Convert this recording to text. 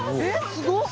すごっ！